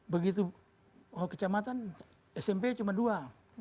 begitu kecamatan smp cuma dua